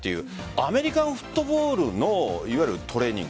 アメリカンフットボールのいわゆるトレーニング